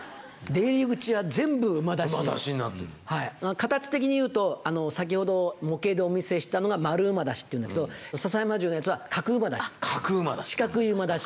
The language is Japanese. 形的に言うと先ほど模型でお見せしたのが丸馬出しというんだけど篠山城のやつは角馬出し。